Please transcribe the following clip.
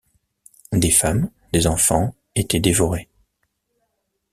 Des femmes, des enfants étaient dévorés.